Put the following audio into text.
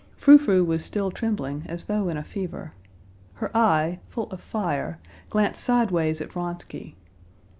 Frou Frou was still trembling as though in a fever. Her eye, full of fire, glanced sideways at Vronsky.